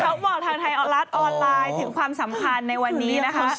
เขาบอกทางไทยรัฐออนไลน์ถึงความสำคัญในวันนี้นะคะ